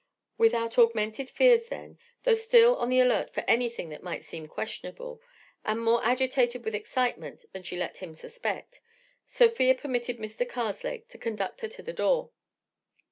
Without augmented fears, then, though still on the alert for anything that might seem questionable, and more agitated with excitement than she let him suspect, Sofia permitted Mr. Karslake to conduct her to the door.